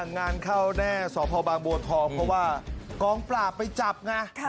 งานเข้าแน่ศภบังบัวทองคือว่ากองปราบไปจับนะ